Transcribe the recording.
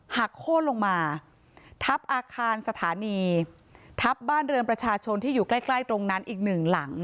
โค้นลงมาทับอาคารสถานีทับบ้านเรือนประชาชนที่อยู่ใกล้ใกล้ตรงนั้นอีกหนึ่งหลัง